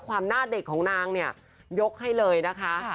หน้าเด็กของนางเนี่ยยกให้เลยนะคะ